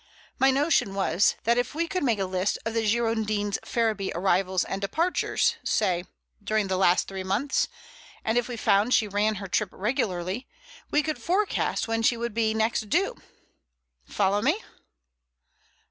My notion was that if we could make a list of the Girondin's Ferriby arrivals and departures, say, during the last three months, and if we found she ran her trip regularly, we could forecast when she would be next due. Follow me?"